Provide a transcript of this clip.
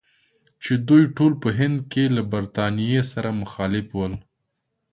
چې دوی ټول په هند کې له برټانیې سره مخالف ول.